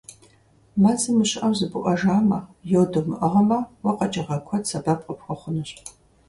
Мэзым ущыӀэу зыбуӀэжамэ, йод умыӀыгъмэ, уэ къэкӀыгъэ куэд сэбэп къыпхуэхъунущ.